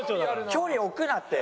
距離置くなって。